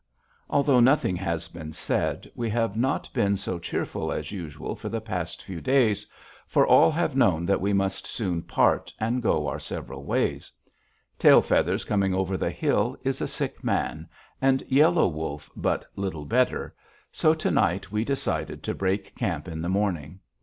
_ Although nothing has been said, we have not been so cheerful as usual for the past few days, for all have known that we must soon part and go our several ways. Tail Feathers Coming over the Hill is a sick man, and Yellow Wolf but little better, so to night we decided to break camp in the morning.